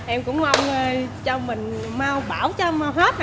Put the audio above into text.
em cũng mong cho mình mau bảo cho mau hết